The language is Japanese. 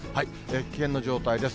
危険な状態です。